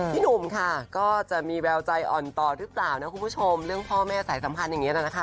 หนุ่มค่ะก็จะมีแววใจอ่อนต่อหรือเปล่านะคุณผู้ชมเรื่องพ่อแม่สายสัมพันธ์อย่างนี้นะคะ